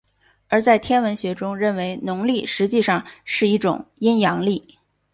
而在天文学中认为农历实际上是一种阴阳历。